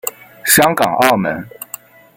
香港澳门